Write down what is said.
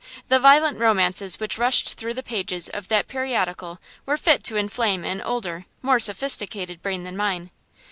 The violent romances which rushed through the pages of that periodical were fit to inflame an older, more sophisticated brain than mine.